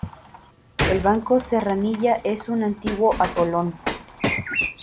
El Banco Serranilla es un antiguo atolón.